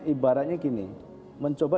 ibaratnya gini mencoba